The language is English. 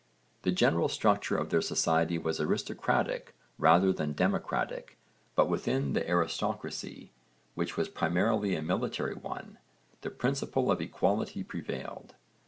The general structure of their society was aristocratic rather than democratic, but within the aristocracy, which was primarily a military one, the principle of equality prevailed.